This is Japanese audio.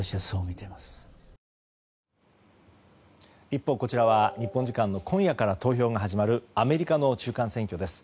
一方、こちらは日本時間の今夜から投票が始まるアメリカの中間選挙です。